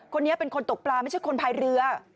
คนนี้เป็นคนตกปลาไม่ใช่คนภายเรือ